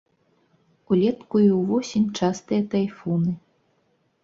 Улетку і ўвосень частыя тайфуны.